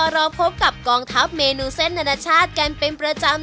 เราพบกับกองทัพเมนูเส้นอนาชาติกันเป็นประจำ